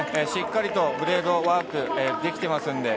しっかりブレードワークができています。